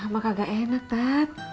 mak kagak enak tat